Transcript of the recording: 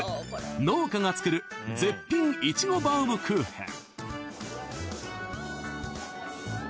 農家が作る絶品イチゴバウムクーヘン